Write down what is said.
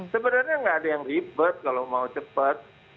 sebenarnya nggak ada yang ribet kalau mau cepat